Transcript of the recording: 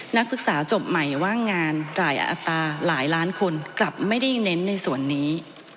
นักศึกษาจบใหม่ว่างงานหลายอัตราหลายล้านคนกลับไม่ได้เน้นในส่วนนี้